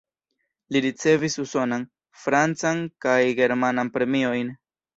Li ricevis usonan, francan kaj germanan premiojn.